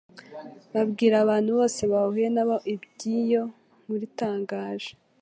babwira abantu bose bahuye na bo iby'iyo nkuru itangaje.